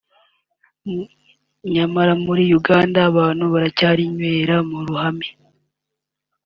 nyamara muri Uganda abantu baracyarinywera mu ruhame